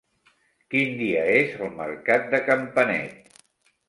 Quin dia és el mercat de Campanet?